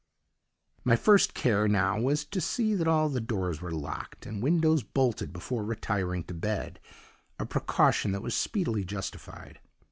"My first care now was to see that all the doors were locked, and windows bolted before retiring to bed; a precaution that was speedily justified.